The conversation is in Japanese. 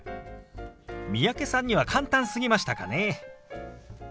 三宅さんには簡単すぎましたかね。